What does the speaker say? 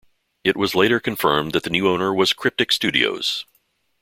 It was later confirmed that the new owner was Cryptic Studios.